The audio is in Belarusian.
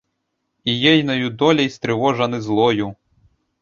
І ейнаю доляй стрывожаны злою.